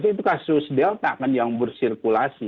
itu kasus delta kan yang bersirkulasi